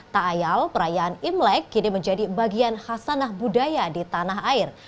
tak ayal perayaan imlek kini menjadi bagian khasanah budaya di tanah air